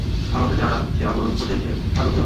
ভালোবাসা যে আড়াল, যে আবরণ খোঁজে, সে আর রহিল না।